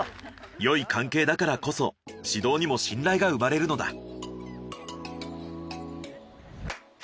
よい関係だからこそ指導にも信頼が生まれるのだ。